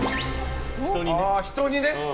人にね。